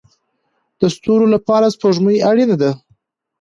د ستورو لپاره سپوږمۍ اړین ده